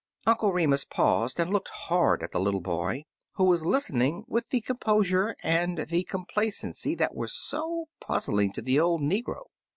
Uncle Remus paused, and looked hard at the little boy, who was listening with the composure and the complacency that were so puzzling 49 Uncle Remus Returns to the old negro.